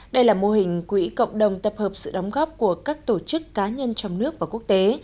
đây là mô hình quỹ cộng đồng tập hợp sự đóng góp của các tổ chức cá nhân trong nước và quốc tế